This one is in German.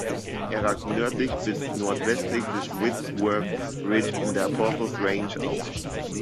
Er ragt nördlich bis nordwestlich des Whitworth Ridge in der Porthos Range auf.